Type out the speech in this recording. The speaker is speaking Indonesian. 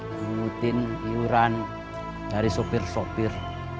ngungutin iuran dari sopir sopir